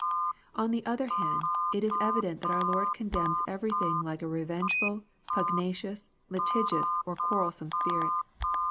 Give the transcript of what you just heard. On the other hand, it is evident that our Lord condemns every thing like a revengeful, pugnacious, litigious, or quarrelsome spirit.